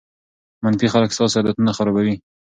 منفي خلک ستاسو عادتونه خرابوي.